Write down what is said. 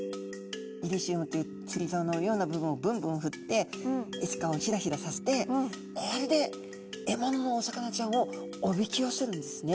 イリシウムというつりざおのような部分をぶんぶんふってエスカをひらひらさせてこれで獲物のお魚ちゃんをおびき寄せるんですね。